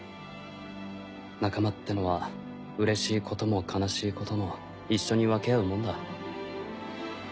仲間ってのはうれしいことも悲しいことも一緒に分け合うもんだ。